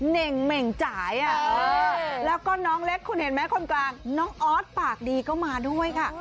เหน่งเหม่งจ่ายแล้วก็น้องเล็กคุณเห็นไหมคนกลางน้องออสปากดีก็มาด้วยค่ะ